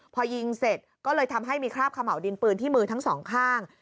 พอยิงเสร็จก็เลยทำให้มีคราบขม่าวดินปืนที่มือทั้งสองข้าง